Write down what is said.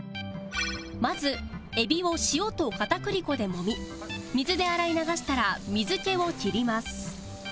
まずエビを塩と片栗粉で揉み水で洗い流したら水気を切ります